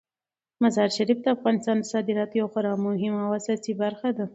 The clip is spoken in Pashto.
مزارشریف د افغانستان د صادراتو یوه خورا مهمه او اساسي برخه ده.